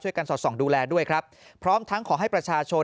สอดส่องดูแลด้วยครับพร้อมทั้งขอให้ประชาชน